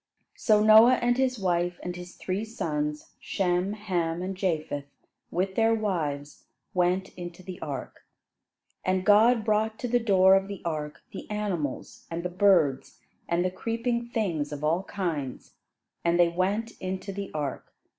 So Noah and his wife, and his three sons, Shem, Ham and Japheth, with their wives, went into the ark. And God brought to the door of the ark the animals, and the birds, and the creeping things of all kinds; and they went into the ark.